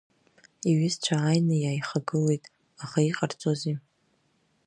Иҩызцәа ааины иааиха-гылеит, аха иҟарҵози?